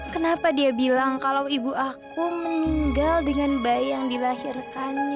kenapa dia bilang kalau ibu aku meninggal dengan bayi yang dilahirkan